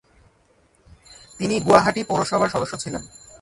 তিনি গুয়াহাটি পৌরসভার সদস্য ছিলেন।